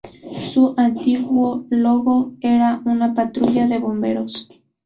Su antiguo logo era una patrulla de bomberos.